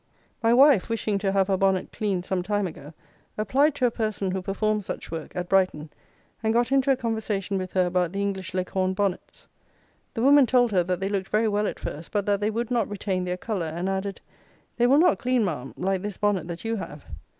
My wife, wishing to have her bonnet cleaned some time ago, applied to a person who performs such work, at Brighton, and got into a conversation with her about the English Leghorn bonnets. The woman told her that they looked very well at first, but that they would not retain their colour, and added, "They will not clean, ma'am, like this bonnet that you have."